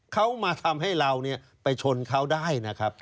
เขามาทำให้เราไปชนเขาได้นะครับ